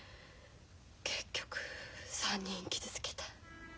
結局３人傷つけた。